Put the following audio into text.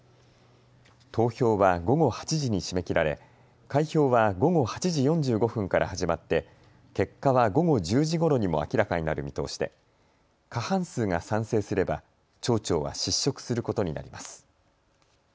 投票は午後８時に締め切られ開票は午後８時４５分から始まって結果は午後１０時ごろにも明らかになる見通しで過半数が賛成すれば町長は失職することになります。